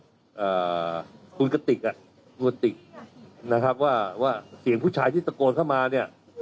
อ่าคุณกติกอ่ะคุณกติกนะครับว่าว่าเสียงผู้ชายที่ตะโกนเข้ามาเนี่ย